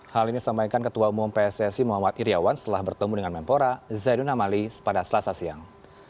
hal ini disampaikan ketua umum pssi muhammad iryawan setelah bertemu dengan mempora zainud amali pada selasa siang